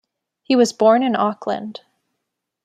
He was born in Auckland.